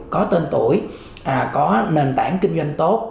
có tên tuổi có nền tảng kinh doanh tốt